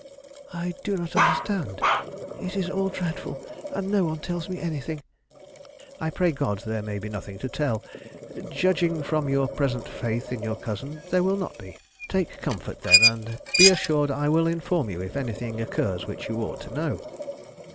"I do not understand. It is all dreadful; and no one tells me anything." "I pray God there may be nothing to tell. Judging from your present faith in your cousin, there will not be. Take comfort, then, and be assured I will inform you if anything occurs which you ought to know."